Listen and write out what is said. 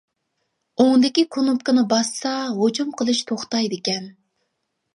ئوڭدىكى كۇنۇپكىنى باسسا ھۇجۇم قىلىش توختايدىكەن.